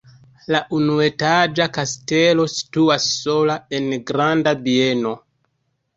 La unuetaĝa kastelo situas sola en granda bieno.